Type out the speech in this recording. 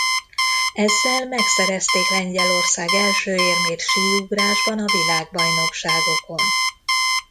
Ezzel megszerezték Lengyelország első érmét síugrásban a világbajnokságokon.